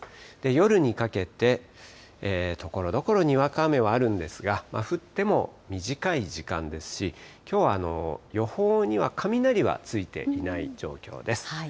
夜にかけて、ところどころにわか雨はあるんですが、降っても短い時間ですし、きょうは予報には雷はついていない状況です。